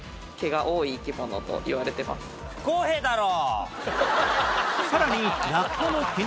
不公平だろ！